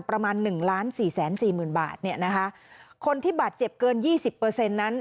ประมาณ๑๔๔๐๐๐บาทคนที่บาดเจ็บเกิน๒๐นั้น